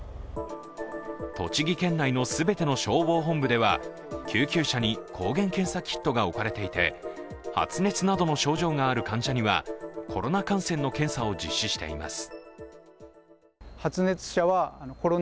栃木県内の全ての消防本部では救急車に抗原検査キットが置かれていて発熱などの症状がある患者にはコロナ感染の検査を実施しています。